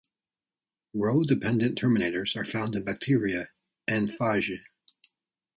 Rho-dependent terminators are found in bacteria and phage.